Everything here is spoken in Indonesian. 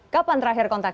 kapan terakhir kontakan